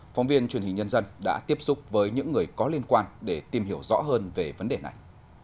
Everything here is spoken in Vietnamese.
phóng viên truyền hình nhân dân đã tiếp xúc với những người có liên quan để tìm hiểu rõ hơn về vấn đề này